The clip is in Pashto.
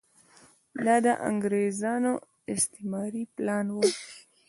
دا د انګریزانو استعماري پلان و.